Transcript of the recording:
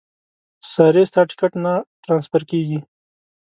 ساري ستا ټیکټ نه ټرانسفر کېږي.